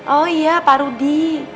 oh iya pak rudi